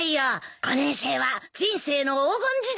５年生は人生の黄金時代だからね。